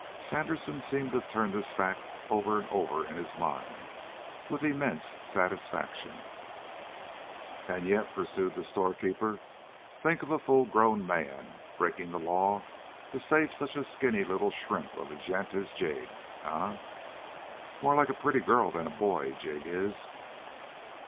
Sandersen seemed to turn this fact over and over in his mind, with immense satisfaction. "And yet," pursued the storekeeper, "think of a full grown man breaking the law to save such a skinny little shrimp of a gent as Jig? Eh? More like a pretty girl than a boy, Jig is."